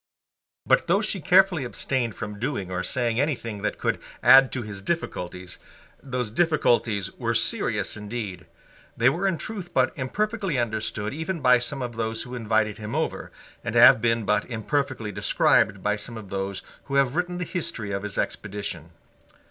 But, though she carefully abstained from doing or saying anything that could add to his difficulties, those difficulties were serious indeed. They were in truth but imperfectly understood even by some of those who invited him over, and have been but imperfectly described by some of those who have written the history of his expedition.